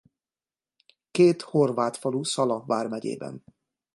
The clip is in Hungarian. Két Horvát falu Szala Vármegyében.